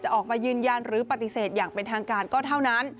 ออกมายืนยันหรือปฏิเสธอย่างเป็นทางการก็เท่านั้น